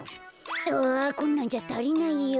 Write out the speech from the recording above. あこんなんじゃたりないよ。